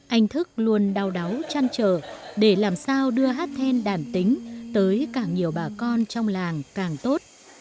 anh thức luôn đau đáu chăn trở để làm sao đưa hát then đàn tính tới càng nhiều bà con trong làng càng tốt